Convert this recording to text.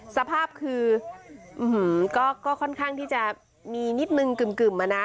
สภาพคือก็ค่อนข้างที่จะมีนิดนึงกึ่มอะนะ